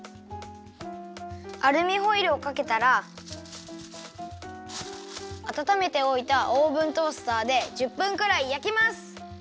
アルミホイルをかけたらあたためておいたオーブントースターで１０分くらいやきます。